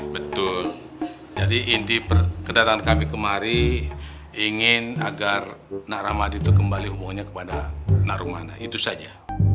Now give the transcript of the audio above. betul jadi inti kedatangan kami kemari ingin agar nak rahmadi kembali hubungannya kepada nak rumani itu saja